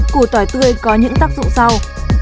củ tỏi tươi có những tác dụng sau